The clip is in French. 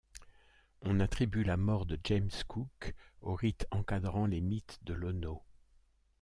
On attribue la mort de James Cook au rite encadrant les mythes de Lono.